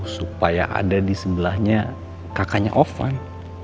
supaya ada di sebelahnya kakaknya offan